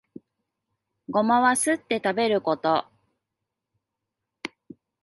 ゴマはすって食べること